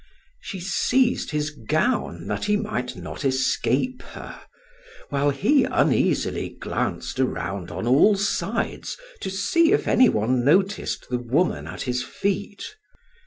She seized his gown that he might not escape her, while he uneasily glanced around on all sides to see if anyone noticed the woman at his feet.